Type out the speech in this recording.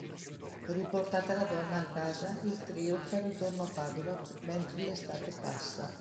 Riportata la donna a casa, il trio fa ritorno a Padova mentre l'estate passa.